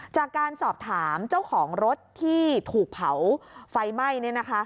จากการสอบถามเจ้าของรถที่ถูกเผาไฟไหม้